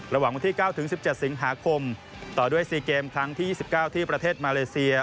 ระหว่างวันที่๙๑๗สิงหาคมต่อด้วย๔เกมครั้งที่๒๙ที่ประเทศมาเลเซีย